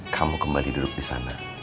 kamu kembali duduk di sana